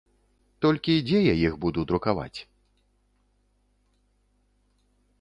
Толькі дзе я іх буду друкаваць?